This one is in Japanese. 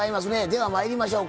ではまいりましょうか。